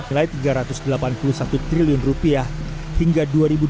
nilai rp tiga ratus delapan puluh satu triliun hingga dua ribu dua puluh